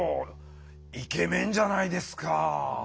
イケメンじゃないですか。